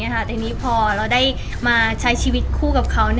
แต่นี้พอเราได้มาใช้ชีวิตคู่กับเขา